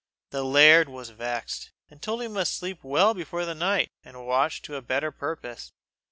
The laird was vexed, and told him he must sleep well before night, and watch to better purpose.